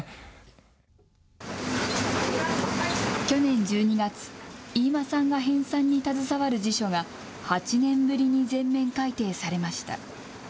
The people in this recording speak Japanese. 去年１２月、飯間さんが編さんに携わる辞書が８年ぶりに全面改訂されました。